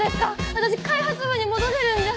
私開発部に戻れるんじゃ。